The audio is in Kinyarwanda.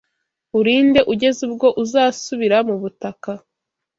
urinde ugeza ubwo uzasubira mu butaka,